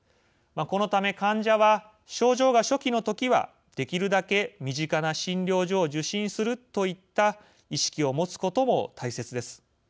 このため患者は症状が初期の時はできるだけ身近な診療所を受診するといった意識を持つことも大切です。